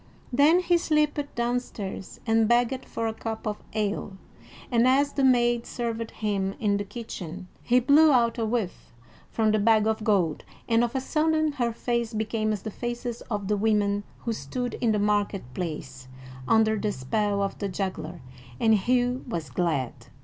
Then he slipped downstairs and begged for a cup of ale, and as the maid served him in the kitchen, he blew out a whiff from the bag of gold, and of a sudden her face became as the faces of the women who stood in the market place under the spell of the juggler, and Hugh was glad.